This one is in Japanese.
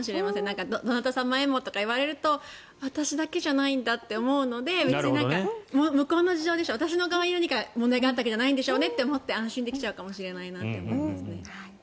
どなた様へもと言われると私だけじゃないんだと思うので別に向こうの事情でしょ私の側に問題があったわけじゃないんでしょうねと安心できるのかもしれないですね。